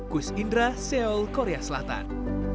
kuis indra seoul korea selatan